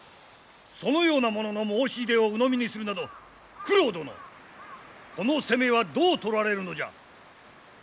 そのような者の申し出をうのみにするなど九郎殿この責めはどう取られるのじゃ？